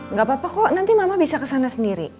nggak apa apa kok nanti mama bisa kesana sendiri